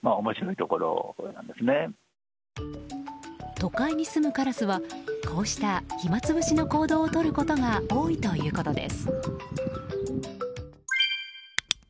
都会に住むカラスは、こうした暇つぶしの行動をとることが多いということです。